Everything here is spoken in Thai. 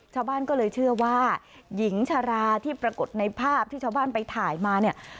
ชาวบ้านก็เลยเชื่อว่าหญิงชาราที่ปรากฏในภาพที่ชาวบ้านไปถ่ายมาเนี่ย